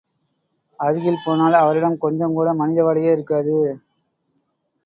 அருகில் போனால், அவரிடம் கொஞ்சம்கூட மனிதவாடையே இருக்காது.